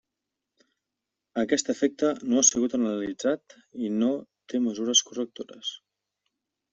Aquest efecte no ha sigut analitzat i no té mesures correctores.